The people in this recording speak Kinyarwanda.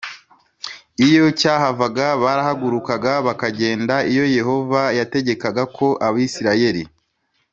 Iyo cyahavaga barahagurukaga bakagenda iyo yehova yategekaga ko abisirayeli